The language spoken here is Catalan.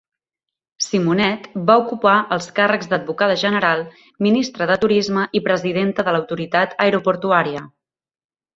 Symonette va ocupar els càrrecs d'advocada general, ministra de Turisme i presidenta de l'autoritat aeroportuària.